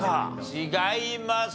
違います。